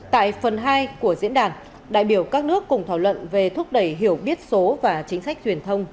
tại phần hai của diễn đàn đại biểu các nước cùng thảo luận về thúc đẩy hiểu biết số và chính sách truyền thông